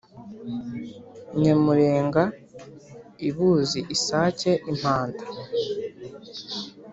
Nyamurenga i Buzi-Isake - Impanda.